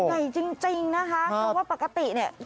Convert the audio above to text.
ใหญ่จริงนะคะเพราะว่าปกติเนี่ย